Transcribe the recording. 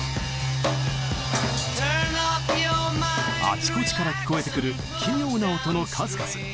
あちこちから聞こえてくる奇妙な音の数々。